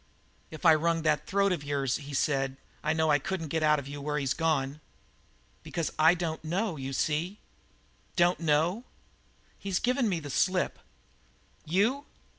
"If I wrung that throat of yours," he said, "I know I couldn't get out of you where he's gone." "Because I don't know, you see." "Don't know?" "He's given me the slip." "You!"